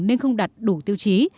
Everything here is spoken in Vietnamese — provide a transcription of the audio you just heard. nên không đặt đủ tiêu chí